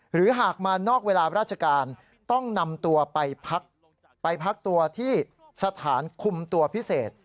หากมานอกเวลาราชการต้องนำตัวไปพักตัวที่สถานคุมตัวพิเศษ